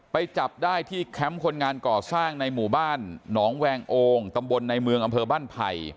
ไปจับได้ที่แคมป์คนงานก่อสร้างในหมู่บ้านหนองแวงโองตำบลในเมืองอำเภอบ้านไผ่